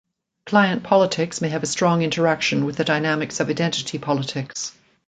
Client politics may have a strong interaction with the dynamics of identity politics.